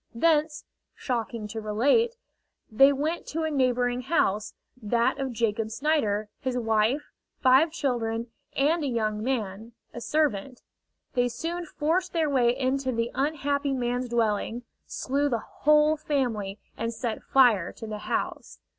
Thence, shocking to relate, they went to a neighboring house, that of Jacob Snider, his wife, five children, and a young man, a servant. They soon forced their way into the unhappy man's dwelling, slew the whole family, and set fire to the house.